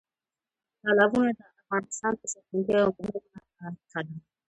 تالابونه د افغانستان د زرغونتیا یوه مهمه نښه ده.